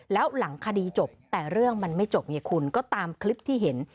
แล้วหลังคดีจบแต่เรื่องมันไม่จบไงคุณก็ตามคลิปที่เห็น